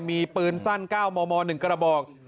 มีปืนสั้น๙มม๑กระบอก